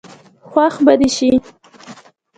خوښ به دي شي.